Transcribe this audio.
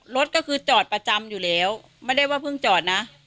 รถก็คือจอดประจำอยู่แล้วไม่ได้ว่าเพิ่งจอดนะ